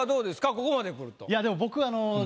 ここまでくると。